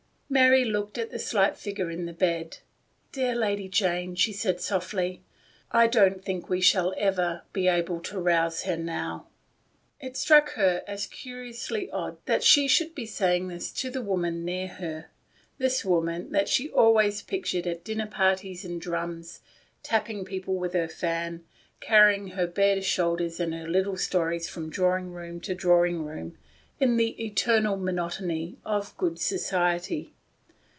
Mary looked at the slight figure in the bed. "Dear Lady Jane," she said softly, "I don't think we shall ever — be able to rouse her now." It struck her as curiously odd that she should be saying this to the woman 270 THE STORY OF A MODERN WOMAN. near her — this woman that she always pic tured at dinner parties and drums, tapping people with her fan, carrying her bare shoul ders and her little stories from drawing room to drawing room in the eternal monotony of good society.